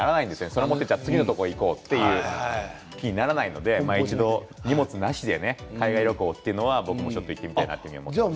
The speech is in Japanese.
それを持って次のところに行こうという気にならないので一度、荷物なしに海外旅行というのは僕も行ってみたいなと思いますね。